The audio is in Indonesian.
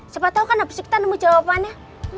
siapa tahu kan habis itu kita nemu jawabannya